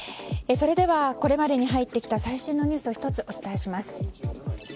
それではこれまでに入ってきた最新のニュースをお伝えします。